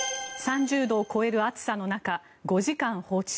３０度を超える暑さの中５時間放置。